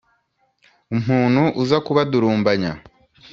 umuntu uza kubadurumbanya